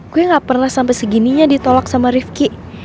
gue gak pernah sampai segininya ditolak sama rifki